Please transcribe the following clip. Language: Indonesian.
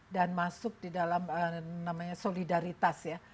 dan masuk di dalam solidaritas ya